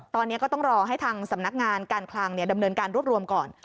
ตอนนี้ก็ต้องรอให้ทางสำนักงานการคลังดำเนินการรวบรวมก่อน